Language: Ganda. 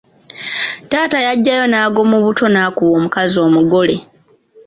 Taata yaggyayo n’ag’omubuto n’akuba omukazi omugere.